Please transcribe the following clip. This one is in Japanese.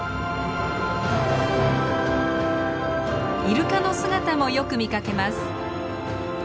イルカの姿もよく見かけます。